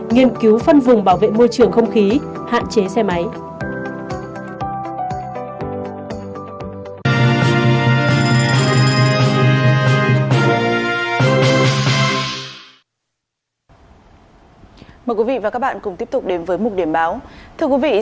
nghiên cứu phân vùng bảo vệ môi trường không khí hạn chế xe máy